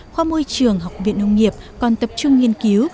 khoa môi trường học viện nông nghiệp còn tập trung nghiên cứu